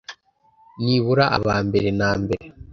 nibura aba mbere na mbere